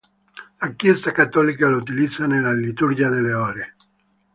La Chiesa cattolica lo utilizza nella liturgia delle ore.